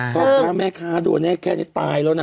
ต้องการแม่ค้าดวงแค่นี้ตายแล้วนะ